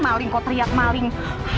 maling kok teriak maling